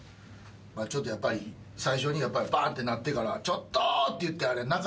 まあちょっとやっぱり最初にばーんてなってから「ちょっと！」って言ってあれ。